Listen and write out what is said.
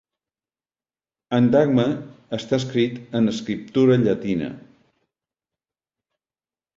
Adangme està escrit en escriptura llatina.